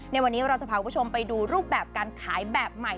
ในวันนี้เราจะพาคุณผู้ชมไปดูรูปแบบการขายแบบใหม่